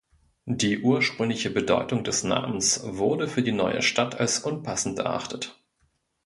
Die ursprüngliche Bedeutung des Namens wurde für die neue Stadt als unpassend erachtet.